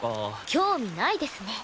興味ないですね。